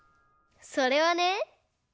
それはね